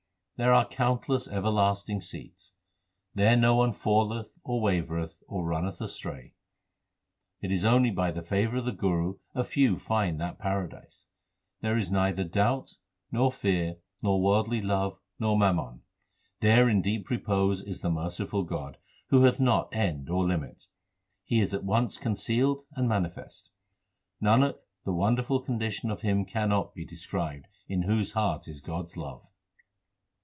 There are countless everlasting seats. There no one falleth, or wavereth, or runneth astray. It is only by the favour of the Guru a few find that paradise. There is neither doubt, nor fear, nor worldly love, nor mammon. There in deep repose is the merciful God Who hath not end or limit. He is at once concealed and manifest. Nanak, the wonderful condition of him cannot be described In whose heart is God s love.